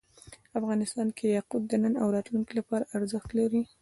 افغانستان کې یاقوت د نن او راتلونکي لپاره ارزښت لري.